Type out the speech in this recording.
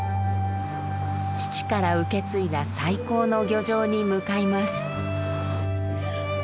父から受け継いだ最高の漁場に向かいます。